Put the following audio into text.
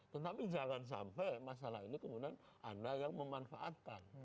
tetapi jangan sampai masalah ini kemudian anda yang memanfaatkan